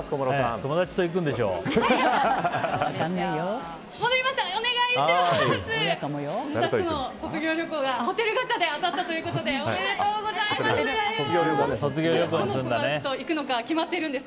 友達との卒業旅行がホテルガチャで当たったということでおめでとうございます。